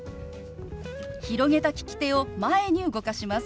広げた利き手を前に動かします。